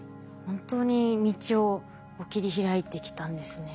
本当に道を切り開いてきたんですね。